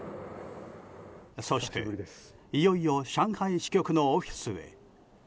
そして、いよいよ上海支局のオフィスへ。